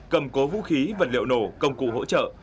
cầm cố vũ khí vật liệu nổ công cụ hỗ trợ